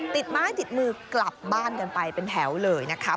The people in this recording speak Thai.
ติดไม้ติดมือกลับบ้านกันไปเป็นแถวเลยนะคะ